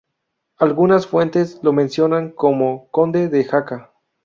Algunas fuentes lo mencionan como conde de Jaca.